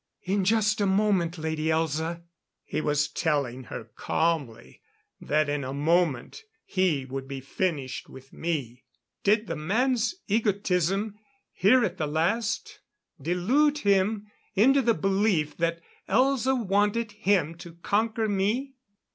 "In just a moment, Lady Elza...." He was telling her calmly that in a moment he would be finished with me. Did the man's egotism, here at the last, delude him into the belief that Elza wanted him to conquer me?